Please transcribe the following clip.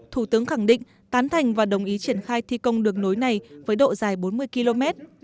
thủ tướng khẳng định tán thành và đồng ý triển khai thi công đường nối này với độ dài bốn mươi km